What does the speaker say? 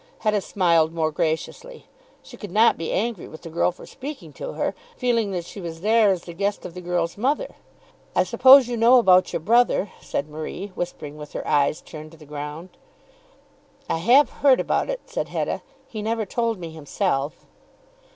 Hetta smiled more graciously. She could not be angry with the girl for speaking to her, feeling that she was there as the guest of the girl's mother. "I suppose you know about your brother," said Marie, whispering with her eyes turned to the ground. "I have heard about it," said Hetta. "He never told me himself."